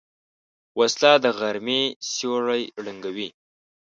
وسله د غرمې سیوری ړنګوي